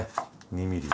２ｍｍ。